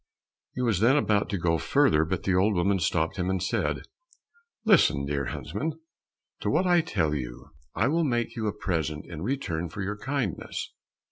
He was then about to go further, but the old woman stopped him and said, "Listen, dear huntsman, to what I tell you; I will make you a present in return for your kindness.